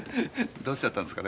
どうしちゃったんですかね？